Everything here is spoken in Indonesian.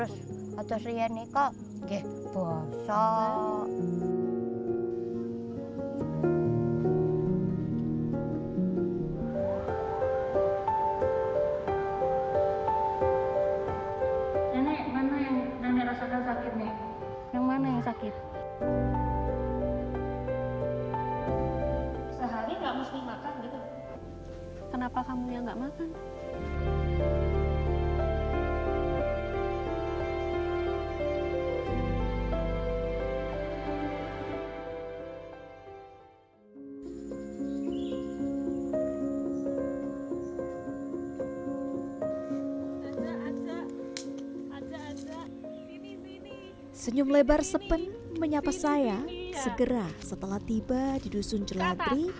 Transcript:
senyum lebar sepen menyapa saya segera setelah tiba di dusun jeladri